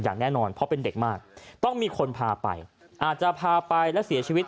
อย่างแน่นอนเพราะเป็นเด็กมากต้องมีคนพาไปอาจจะพาไปและเสียชีวิต